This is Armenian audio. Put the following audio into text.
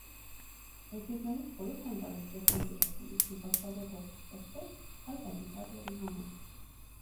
- Բայց ձեզ նորից խորհուրդ եմ տալիս, Ստեփան Գերասիմիչ, նպաստավոր հող չստեղծել այդ ագիտատորի համար: